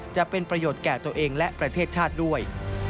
จะเป็นประโยชน์แก่ตัวเองและประเทศชาติด้วย